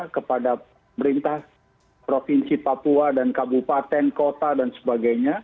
kepada pemerintah provinsi papua dan kabupaten kota dan sebagainya